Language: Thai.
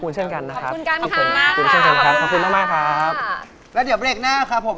ขอบคุณเชิญกันนะครับขอบคุณกันค่ะขอบคุณมากแล้วเดี๋ยวเบรกหน้าครับผม